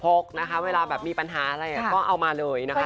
นะคะเวลาแบบมีปัญหาอะไรก็เอามาเลยนะคะ